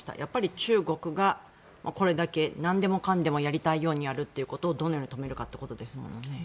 中国がこれだけなんでもかんでもやりたいようにやるということをどのように止めるかということですもんね。